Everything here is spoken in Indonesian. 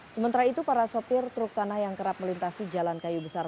sementara itu para sopir truk tanah yang kerap melintasi jalan kayu besar